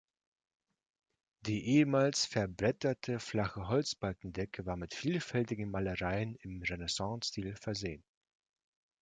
Die ehemals verbretterte flache Holzbalkendecke war mit vielfältigen Malereien im Renaissancestil versehen.